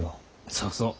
そうそう。